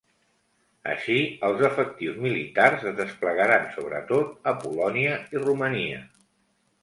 Així, els efectius militars es desplegaran sobretot a Polònia i Romania.